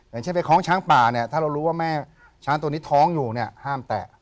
อย่างเช่นไปคล้องช้างป่าเนี่ยถ้าเรารู้ว่าแม่ช้างตัวนี้ท้องอยู่เนี่ยห้ามแตะ